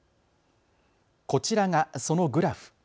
こちらがそのグラフ。